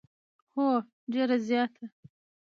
هو، ډیره زیاته